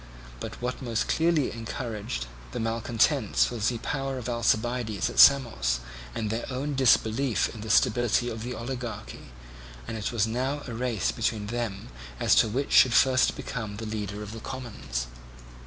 But what most clearly encouraged the malcontents was the power of Alcibiades at Samos, and their own disbelief in the stability of the oligarchy; and it was now a race between them as to which should first become the leader of the commons.